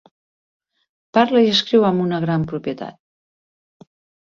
Parla i escriu amb una gran propietat.